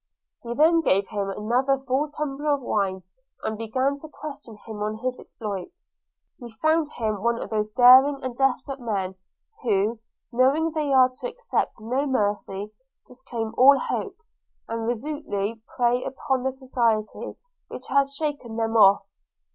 He then gave him another full tumbler of wine, and began to question him on his exploits. He found him one of those daring and desperate me, who, knowing they are to expect no mercy, disclaim all hope, and resolutely prey upon the society, which has shaken them off.